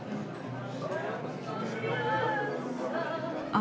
・あ